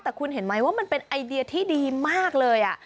แต่คุณเห็นไหมว่ามันเป็นไอเดียที่ดีมากเลย